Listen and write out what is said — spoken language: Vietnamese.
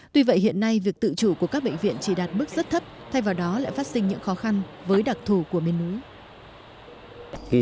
tuy vậy hiện nay việc tự chủ của các bệnh viện chỉ đạt mức rất thấp thay vào đó lại phát sinh những khó khăn với đặc thù của miền núi